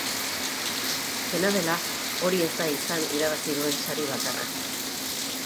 Dena dela, hori ez da izan irabazi duen sari bakarra.